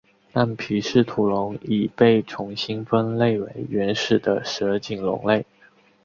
但皮氏吐龙已被重新分类为原始的蛇颈龙类。